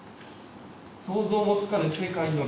「想像もつかぬ世界には」